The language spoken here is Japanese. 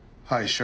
はい。